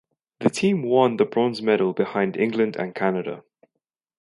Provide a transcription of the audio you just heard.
The team won the bronze medal behind England and Canada.